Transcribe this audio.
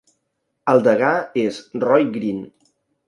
El degà és Roy Green.